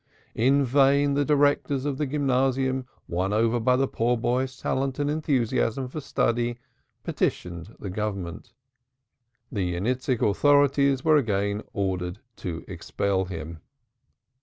In vain the directors of the gymnasium, won over by the poor boy's talent and enthusiasm for study, petitioned the Government. The Yeniseisk authorities were again ordered to expel him.